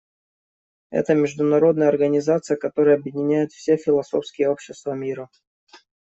Это международная организация, которая объединяет все философские общества мира.